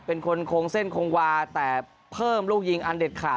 เป็นคนคงเส้นคงวาแต่เพิ่มลูกยิงอันเด็ดขาด